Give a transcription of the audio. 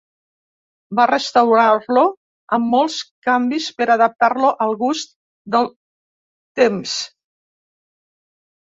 Van restaurar-lo amb molts canvis per adaptar-lo al gust del temps.